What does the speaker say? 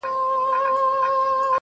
زما زړه په محبت باندي پوهېږي.